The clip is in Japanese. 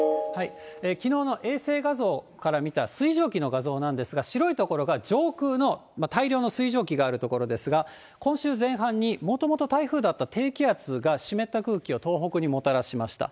きのうの衛星画像から見た水蒸気の画像なんですが、白い所が上空の大量の水蒸気がある所ですが、今週前半にもともと台風だった低気圧が湿った空気を東北にもたらしました。